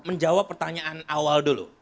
menjawab pertanyaan awal dulu